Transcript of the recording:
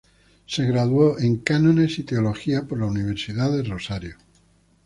Se graduó en Cánones y Teología por la Universidad del Rosario.